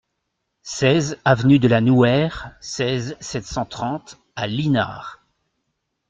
seize avenue de la Nouère, seize, sept cent trente à Linars